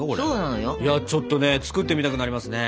ちょっとね作ってみたくなりますね。